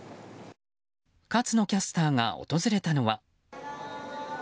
勝野キャスターが訪れたのは。